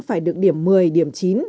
phải được điểm một mươi điểm chín